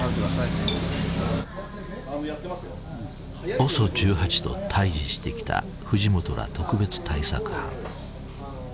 ＯＳＯ１８と対じしてきた藤本ら特別対策班。